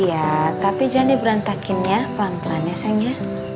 iya tapi jangan di berantakin ya pelan pelan ya sayang ya